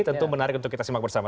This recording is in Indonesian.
tentu menarik untuk kita simak bersama